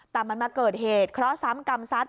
แต่มันมาเกิดเหตุเพราะซ้ำกรรมซัตริย์